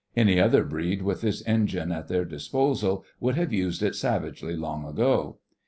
Any other breed with this engine at their disposal would have used it savagely long ago.